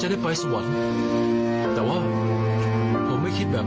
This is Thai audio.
ไอ้ตัวแซม